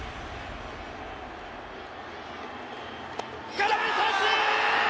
空振り三振！